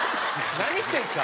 何してるんですか！